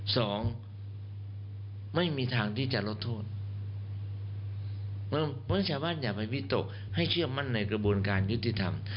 สองไม่มีทางที่จะลดโทษเพราะฉะนั้นชาวบ้านอย่าไปวิตกให้เชื่อมั่นในกระบวนการยุติธรรม